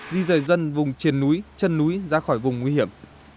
di rời dân vùng triền núi chân núi ra khỏi vùng nguy hiểm